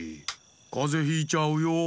かぜひいちゃうよ。